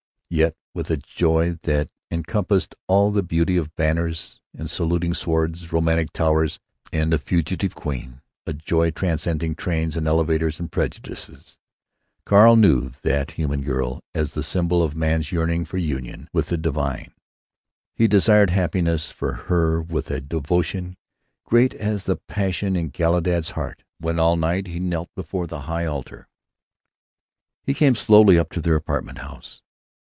Yet with a joy that encompassed all the beauty of banners and saluting swords, romantic towers and a fugitive queen, a joy transcending trains and elevators and prejudices, Carl knew that human girl as the symbol of man's yearning for union with the divine; he desired happiness for her with a devotion great as the passion in Galahad's heart when all night he knelt before the high altar. He came slowly up to their apartment house.